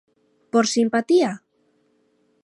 Por simpatía?